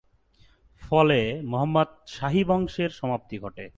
ফলে মুহাম্মদ শাহি রাজবংশের সমাপ্তি ঘটে।